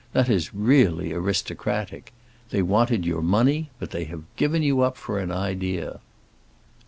That is really aristocratic. They wanted your money, but they have given you up for an idea."